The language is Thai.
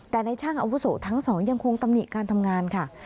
แต่ในช่างอาวุโสทั้งสองยังคงตำหนิการทำงานค่ะ